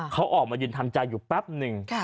เขาออกมายืนทำใจอยู่แป๊บหนึ่ง